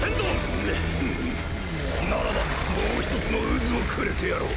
グフフならばもう一つの渦をくれてやろう。